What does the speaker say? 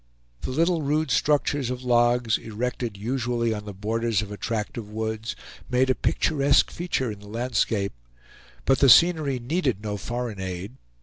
The little rude structures of logs, erected usually on the borders of a tract of woods, made a picturesque feature in the landscape. But the scenery needed no foreign aid.